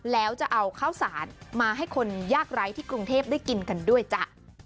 แล้วจะเอาข้าวสารมาให้คนยากไร้ที่กรุงเทพได้กินกันด้วยจ้ะ